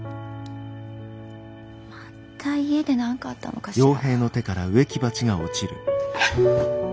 また家で何かあったのかしら。